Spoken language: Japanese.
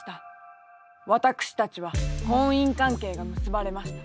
私たちは婚姻関係が結ばれました。